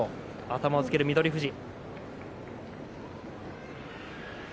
頭をつける翠富士。